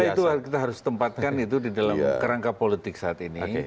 tentu saja itu kita harus tempatkan di dalam kerangka politik saat ini